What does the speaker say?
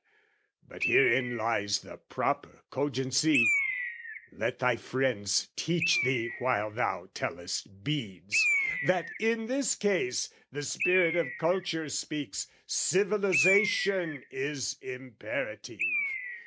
"But herein lies the proper cogency "(Let thy friends teach thee while thou tellest beads) "That in this case the spirit of culture speaks, "Civilisation is imperative.